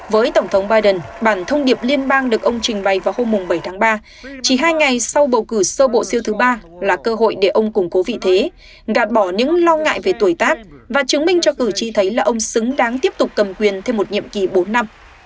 với tổng thống biden bản thông điệp liên bang được ông trình bày vào hôm bảy tháng ba chỉ hai ngày sau bầu cử sơ bộ siêu thứ ba là cơ hội để ông củng cố vị thế gạt bỏ những lo ngại về tuổi tác và chứng minh cho cử tri thấy là ông xứng đáng tiếp tục cầm quyền thêm một nhiệm kỳ bốn năm